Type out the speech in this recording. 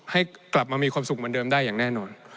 ให้กลับมามีความสุขเหมือนเดิมได้อย่างแน่นอน